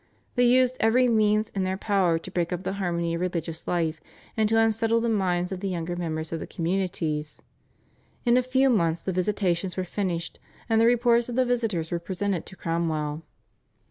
They used every means in their power to break up the harmony of religious life, and to unsettle the minds of the younger members of the communities. In a few months the visitations were finished, and the reports of the visitors were presented to Cromwell.